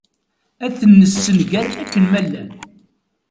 Ad ten-nessenger akken ma llan.